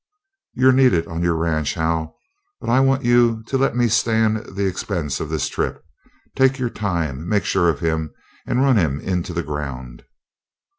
"You're needed on your ranch, Hal; but I want you to let me stand the expenses of this trip. Take your time, make sure of him, and run him into the ground."